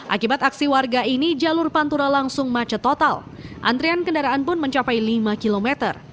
akibat aksi warga ini jalur pantura langsung macet total antrian kendaraan pun mencapai lima km